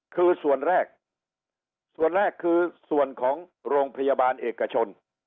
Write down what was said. คือส่วนแรกส่วนแรกคือส่วนของโรงพยาบาลเอกชน